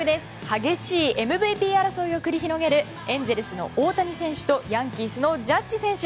激しいＭＶＰ争いを繰り広げるエンゼルスの大谷選手とヤンキースのジャッジ選手。